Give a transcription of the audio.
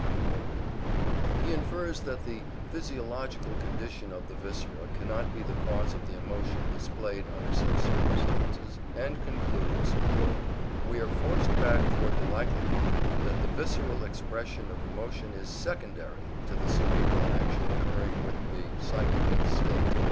"* He infers that the physiological condition of the viscera cannot be the cause of the emotion displayed under such circumstances, and concludes: "We are forced back toward the likelihood that the visceral expression of emotion is SECONDARY to the cerebral action occurring with the psychical state....